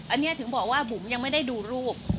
อันนี้ถึงบอกว่าบุ๋มยังไม่ได้ดูรูป